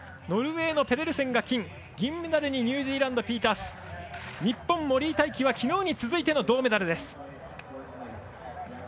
ノルウェーのペデルセンが金銀メダルにニュージーランドのピータース日本、森井大輝は昨日に続いての銅メダルです。